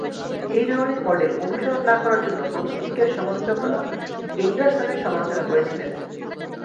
এই ধরনের মডেল অনুসরণ না করার জন্য প্রথম দিকের সমালোচকরা এন্ডারসনের সমালোচনা করেছিলেন।